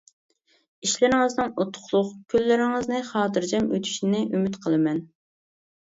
ئىشلىرىڭىزنىڭ ئۇتۇقلۇق، كۈنلىرىڭىزنى خاتىرجەم ئۆتۈشىنى ئۈمىد قىلىمەن.